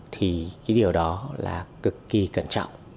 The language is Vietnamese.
thì cái điều đó là cực kỳ cẩn trọng